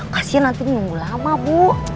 kasian nanti nunggu lama bu